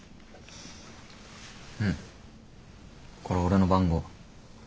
これ俺の番号。